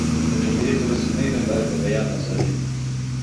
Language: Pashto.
د ډله ییزو رسنیو له لارې د بیان آزادي ده.